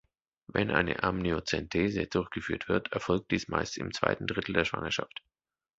Wenn eine Amniozentese durchgeführt wird, erfolgt dies meist im zweiten Drittel der Schwangerschaft.